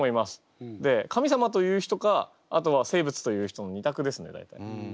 で「神様」と言う人かあとは「生物」と言う人の２択ですね大体。